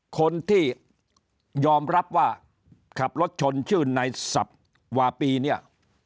คนที่ยอมรับว่าขับรถชนชื่อนายสับวาปีเนี่ย